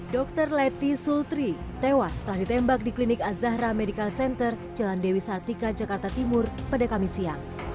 dr leti sultri tewas setelah ditembak di klinik azahra medical center jalan dewi sartika jakarta timur pada kamis siang